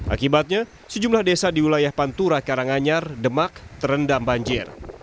akibatnya sejumlah desa di wilayah pantura karanganyar demak terendam banjir